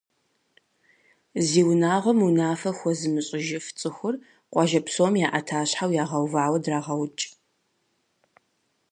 Зи унагъуэм унафэ хуэзымыщӏыжыф цӏыхур къуажэ псом я ӏэтащхьэу ягъэувауэ драгъэукӏ!